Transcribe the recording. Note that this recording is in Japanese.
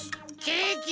ケーキ。